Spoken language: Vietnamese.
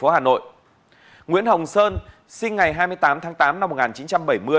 nơi ở hiện nay số nhà nguyễn hồng sơn sinh ngày hai mươi tám tháng tám năm một nghìn chín trăm bảy mươi